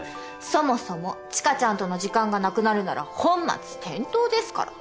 そもそも知花ちゃんとの時間がなくなるなら本末転倒ですから。